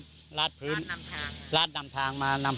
ทั้งหมดนี้คือลูกศิษย์ของพ่อปู่เรศรีนะคะ